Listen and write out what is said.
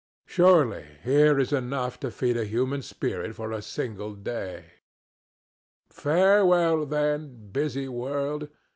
Surely here is enough to feed a human spirit for a single day.—Farewell, then, busy world!